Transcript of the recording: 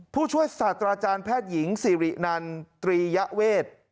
ผู้ช่วยศาสตราจารย์แพทย์หญิงสิรินันตรียเวท